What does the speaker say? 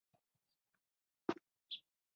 دغې چپه کېدنې له استعمار سره نېغه اړیکه لرله.